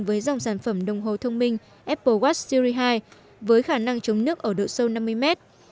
với dòng sản phẩm đồng hồ thông minh apple watt syri hai với khả năng chống nước ở độ sâu năm mươi mét